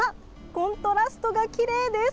コントラストがきれいです。